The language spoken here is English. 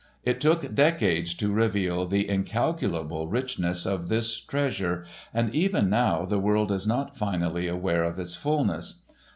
It took decades to reveal the incalculable richness of this "treasure" and even now the world is not finally aware of its fullness.